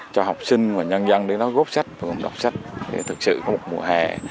cho học sinh và nhân dân để nó góp sách và đọc sách để thực sự có một mùa hè